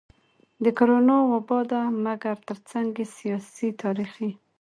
د کرونا وبا ده مګر ترڅنګ يې سياسي, تاريخي,